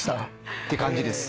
って感じです。